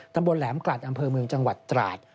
แหลมกลัดอำเภอเมืองจังหวัดตราด